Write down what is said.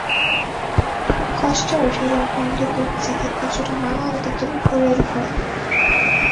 খুব কষ্টে উঠে এলাম অন্ধকূপ থেকে কিছুটা মান-আলোকিত উপরের ঘরে।